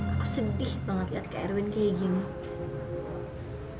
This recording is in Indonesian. aku sedih banget lihat kak erwin kayanya gimana